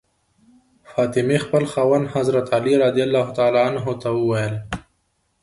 فاطمې خپل خاوند حضرت علي رضي الله تعالی عنهما ته وويل.